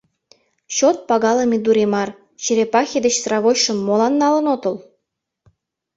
Чот пагалыме Дуремар, черепахе деч сравочшым молан налын отыл?